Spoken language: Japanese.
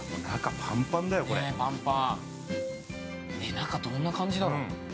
中、どんな感じだろ。